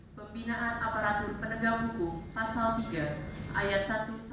pembinaan aparatur penegak hukum pasal tiga ayat satu satu